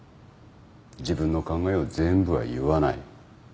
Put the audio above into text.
自分の考えを全部は言わない。